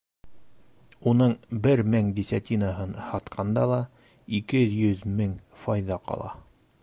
Уның бер мең десятинаһын һатҡанда ла ике йөҙ мең файҙа ҡала.